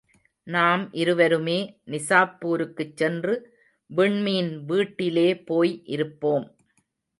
நாம் இருவருமே, நிசாப்பூருக்குச் சென்று விண்மீன் வீட்டிலே போய் இருப்போம்.